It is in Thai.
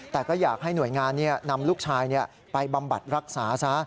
แต่ก็อยากให้หน่วยงานนำลูกชายไปบำบัดรักษาซะ